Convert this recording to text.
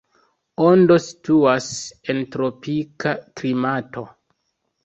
Ondo situas en tropika klimato.